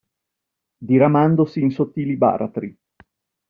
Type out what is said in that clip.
Diramandosi in sottili baratri.